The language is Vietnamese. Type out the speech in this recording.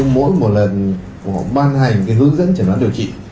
mỗi một lần ban hành cái hướng dẫn chẩn đoán điều trị